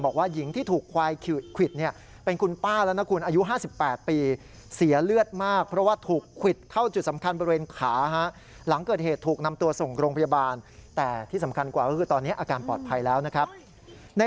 บอกว่าหญิงที่ถูกควายขวิดเป็นคุณป้าแล้วนะคุณ